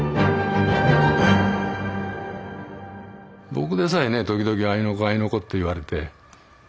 僕でさえね時々あいの子あいの子って言われて。